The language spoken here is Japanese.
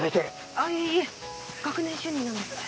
あっいえ学年主任なので。